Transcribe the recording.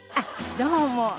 どうも！